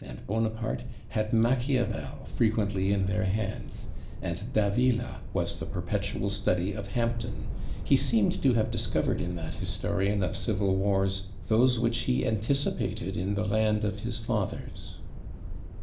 and Buonaparte had Machiavel frequently in their hands; and Davila was the perpetual study of Hampden: he seemed to have discovered in that historian of civil wars those which he anticipated in the land of his fathers.